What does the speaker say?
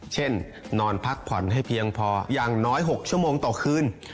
เช่นนอนพักผ่อนให้เพียงพออย่างน้อย๖ชั่วโมงต่อคืน